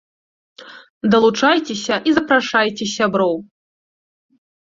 Далучайцеся і запрашайце сяброў!